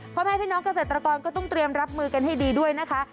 พ่อแม่พี่น้องเกษตรกรก็ต้องเตรียมรับมือกันให้ดีด้วยนะคะ